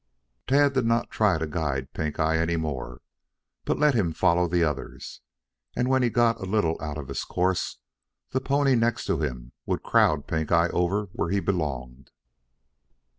Tad did not try to guide Pink eye any more, but let him follow the others, and when he got a little out of his course, the pony next to him would crowd Pink eye over where he belonged.